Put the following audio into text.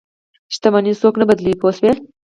شتمني څوک نه بدلوي پوه شوې!.